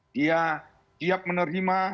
dia siap menerima